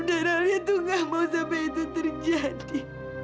dan alia tuh gak mau sampai itu terjadi